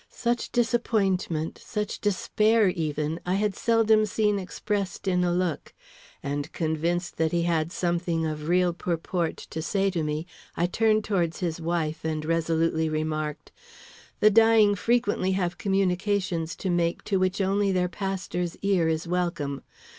Such disappointment, such despair even, I had seldom seen expressed in a look; and convinced that he had something of real purport to say to me, I turned towards his wife, and resolutely remarked: "The dying frequently have communications to make to which only their pastor's ear is welcome.